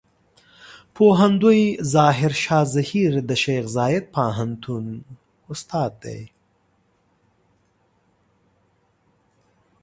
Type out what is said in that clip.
پوهندوی ظاهر شاه زهير د شیخ زايد پوهنتون استاد دی.